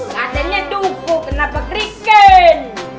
katanya duku kenapa keriken